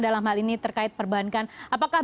dalam hal ini terkait perbankan apakah